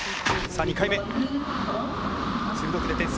２回目。